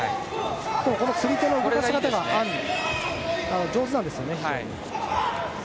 この釣り手の動かし方がアンは非常に上手なんですよね。